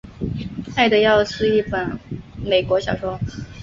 爱的药是一本美国小说。